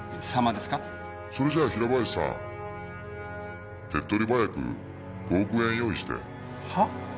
「それじゃあ平林さん手っ取り早く５億円用意して」は？